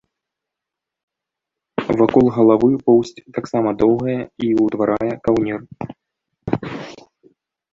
Вакол галавы поўсць таксама доўгая і ўтварае каўнер.